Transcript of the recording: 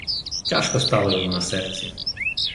Тяжко стало йому на серці.